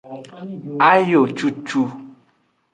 Ayo cucu.